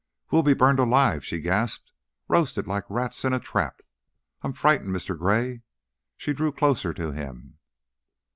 "We'll be burned alive!" she gasped. "Roasted like rats in a trap. I I'm frightened, Mr. Gray." She drew closer to him.